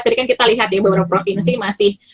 tadi kan kita lihat ya beberapa provinsi masih